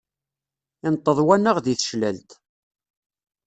Inṭeḍ wanaɣ di teclalt.